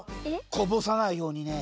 こぼさないようにね。